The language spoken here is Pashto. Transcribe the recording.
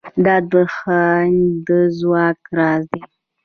دا د هند د ځواک راز دی.